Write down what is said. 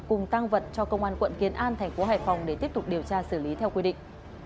cùng tăng vật cho công an quận kiến an thành phố hải phòng để tiếp tục điều tra xử lý theo quy định